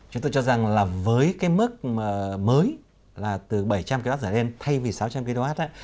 chúng tôi cho rằng là với cái mức mới là từ bảy trăm linh kwh lên thay vì sáu trăm linh kwh